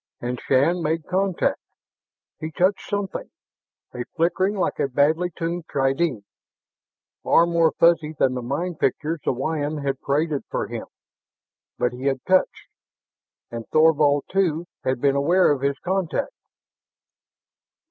And Shann made contact! He touched something, a flickering like a badly tuned tri dee far more fuzzy than the mind pictures the Wyvern had paraded for him. But he had touched! And Thorvald, too, had been aware of his contact.